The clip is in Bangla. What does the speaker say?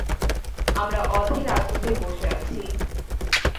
আমরা অধীর আগ্রহে বসে আছি।